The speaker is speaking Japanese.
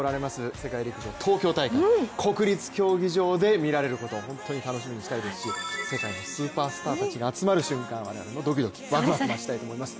世界陸上東京大会、国立競技場で見られることを本当に楽しみにしたいですし世界のスーパースターたちが集まる瞬間も我々もドキドキワクワクしたいと思います。